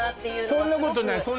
そんなことない。